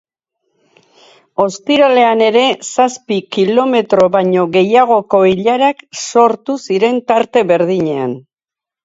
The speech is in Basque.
Ostiralean ere zazpi kilometro baino gehiagoko ilarak sortu ziren tarte berdinean.